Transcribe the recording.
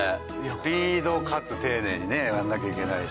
スピードかつ丁寧にねやらなきゃいけないし。